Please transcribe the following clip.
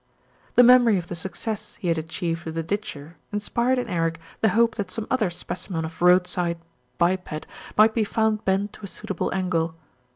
The memory of the success he had achieved with the ditcher inspired in Eric the hope that some other specimen of roadside biped might be found bent to a suitable angle.